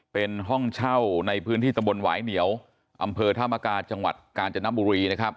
เป็นห้องเช่าในพื้นที่ตำบลหวายเหนียวอำเภอธามกาจังหวัดกาญจนบุรีนะครับ